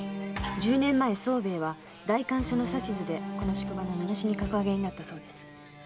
十年前に宗兵衛は代官所の指図でこの宿場の名主に格上げになったそうです。